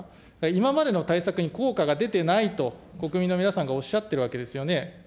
今までの対策に効果が出てないと、国民の皆さんがおっしゃってるわけですよね。